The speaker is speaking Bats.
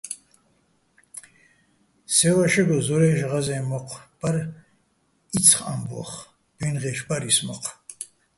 სე ვაშეგო ზორაჲში̆ ღაზე́ნ მოჴ ბარ იცხ ამბო́ხ, ბუ́ჲნღეშ ბარ ის მოჴ.